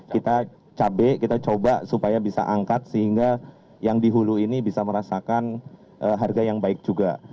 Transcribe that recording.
kita cabai kita coba supaya bisa angkat sehingga yang di hulu ini bisa merasakan harga yang baik juga